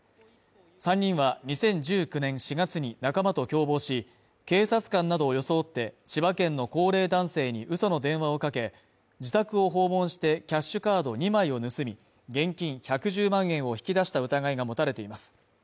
３人は２０１９年４月に仲間と共謀し、警察官などを装って、千葉県の高齢男性にうその電話をかけ、自宅を訪問してキャッシュカード２枚を盗み、現金１１０万円を引き出した疑いが持たれています。